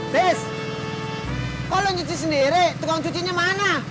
tis kok lo nyuci sendiri tukang cucinya mana